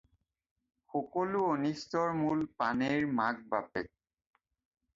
সকলো অনিষ্টৰ মূল পানেইৰ মাক-বাপেক।